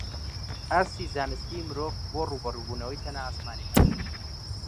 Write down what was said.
ئاستی زانستی مرۆڤ بۆ ڕووبەڕووبوونەوەی تەنە ئاسمانییەکان